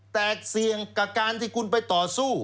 แตกเสี่ยงกับการที่คุณไปต่อสู้